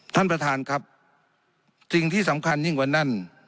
ท่านประธานครับสิ่งที่สำคัญยิ่งกว่านั้น